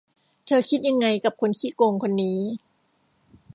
เธอคิดยังไงกับคนขี้โกงคนนี้